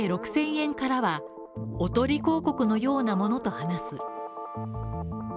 ６０００円からはおとり広告のようなものと話す。